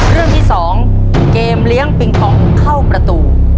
เรื่องที่๒เกมเลี้ยงปิงปองเข้าประตู